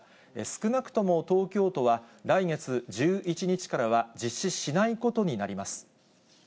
少なくとも東京都は、来月１１日からは実施しないことになります。